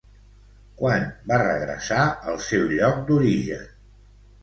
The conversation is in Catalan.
Quan va regressar al seu lloc d'origen?